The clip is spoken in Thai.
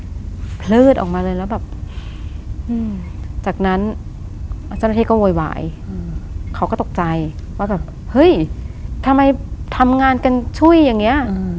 องค์วิทยุแบบพลื้ดออกมาเลยแล้วแบบอืมจากนั้นจ้างมะเทศก็ไวเขาก็ตกใจว่าไปเฮ้ยทำไมทำงานกันช่วยยังไง